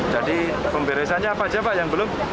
jadi pemberesannya apa aja pak yang belum